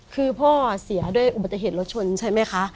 คือพ่อเสียด้วยอุบัติเหตุรถชนใช่ไหมคะ